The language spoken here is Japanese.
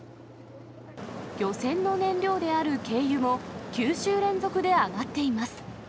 漁船の燃料である軽油も、９週連続で上がっています。